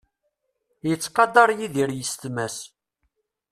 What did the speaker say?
Yettqadar Yidir yessetma-s.